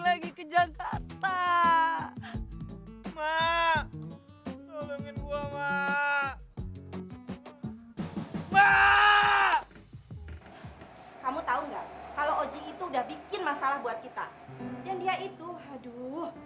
hai ha ha hai kamu tahu nggak kalau oji itu udah bikin masalah buat kita yang dia itu haduh